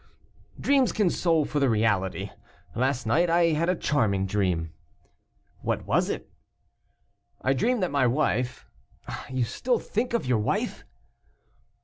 "Dreams console for the reality. Last night I had a charming dream." "What was it?" "I dreamed that my wife " "You still think of your wife?"